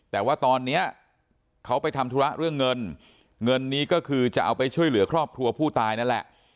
แต่ว่าตอนนี้เขาไปทำธุระเรื่องเงินเงินนี้ก็คือจะเอาไปช่วยเหลือครอบครัวผู้ตายนั่นแหละ